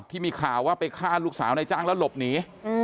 ที่มีข่าวว่าไปฆ่าลูกสาวในจ้างแล้วหลบหนี